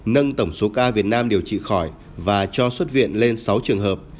nâng tổng số ca việt nam điều trị khỏi và cho xuất viện lên sáu trường hợp